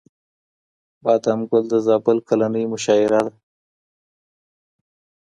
بادام ګل د زابل کلنۍ مشاعره ده.